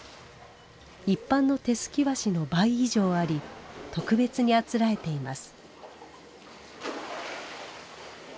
一般の手すき和紙の倍以上あり特別にあつらえています。